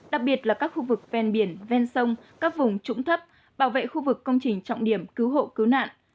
đặc biệt là các khu vực ven biển ven sông các vùng trũng thấp bảo vệ khu vực công trình trọng điểm cứu hộ cứu nạn